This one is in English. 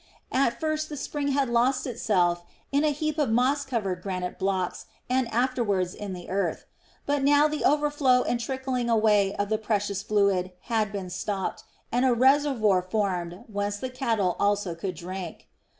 At first the spring had lost itself in a heap of moss covered granite blocks and afterwards in the earth; but now the overflow and trickling away of the precious fluid had been stopped and a reservoir formed whence the cattle also could drink.